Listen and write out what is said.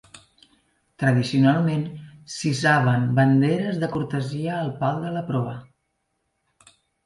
Tradicionalment, s"hissaven banderes de cortesia al pal de la proa.